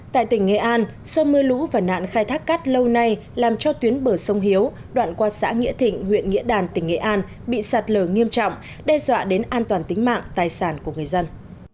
tại tỉnh nghệ an do mưa lũ và nạn khai thác cát lâu nay làm cho tuyến bờ sông hiếu đoạn qua xã nghĩa thịnh huyện nghĩa đàn tỉnh nghệ an bị sạt lở nghiêm trọng đe dọa đến an toàn tính mạng tài sản của người dân